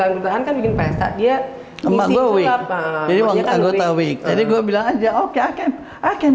anggaran kan bikin pesak dia sama gue apa jadi wang agota week jadi gua bilang aja oke akan akan